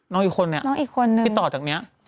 น้องอีกคนน่ะน้องอีกคนนึงที่ต่อจากเนี้ย